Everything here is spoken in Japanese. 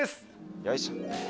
よいしょ！